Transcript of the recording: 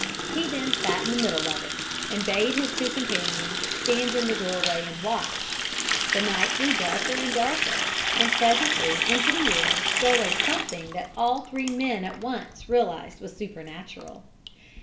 He then sat in the middle of it, and bade his two companions stand in the doorway and watch. The night grew darker and darker, and presently into the air stole a something that all three men at once realized was supernatural.